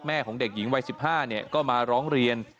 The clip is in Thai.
แม่ของเด็กหญิงวัย๑๕เนี่ยก็มาร้องเรียน